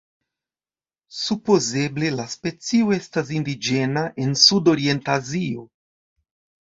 Supozeble la specio estas indiĝena en sud-orienta Azio.